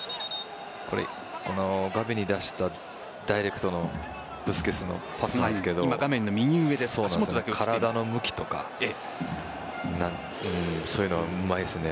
ガヴィに出したダイレクトのブスケツのパスなんですけど体の向きとかそういうのがうまいですね。